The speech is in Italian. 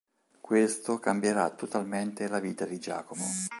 Questo cambierà totalmente la vita di Giacomo.